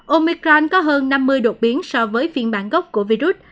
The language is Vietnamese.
omicron có hơn năm mươi đột biến so với phiên bản gốc của virus